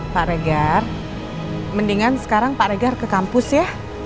pak regar mendingan sekarang pak regar ke kampus ya